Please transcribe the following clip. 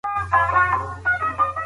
مشران کله په سفارتونو کي کار پیلوي؟